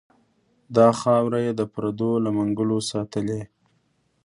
دا خاوره یې د پردو له منګلو ساتلې.